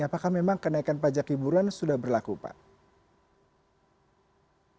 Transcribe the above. apakah memang kenaikan pajak hiburan sudah berlaku pak